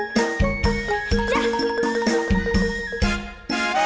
สวรรค์กันหน่อยค่ะ